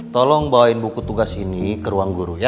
tolong bawain buku tugas ini ke ruang guru ya